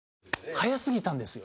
早すぎたんですよ。